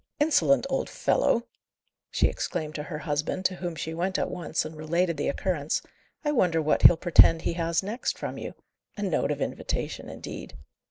"Insolent old fellow!" she exclaimed to her husband, to whom she went at once and related the occurrence. "I wonder what he'll pretend he has next from you? A note of invitation, indeed!"